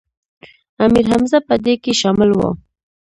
امیر حمزه په دې کې شامل و.